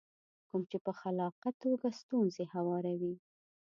کوم چې په خلاقه توګه ستونزې هواروي.